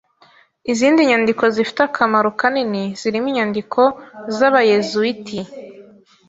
Izindi nyandiko zifite akamaro kanini zirimo inyandiko z'Abayezuwiti.